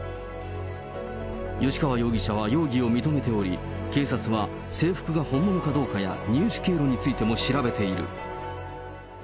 吉川容疑者は容疑を認めており、警察は制服が本物かどうかや入手経路についても調べている。